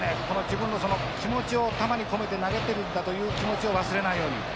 この自分の気持ちを球に込めて投げてるんだという気持ちを忘れないように。